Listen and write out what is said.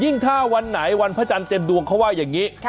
ถ้าวันไหนวันพระจันทร์เต็มดวงเขาว่าอย่างนี้